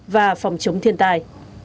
và phòng chống thiên tài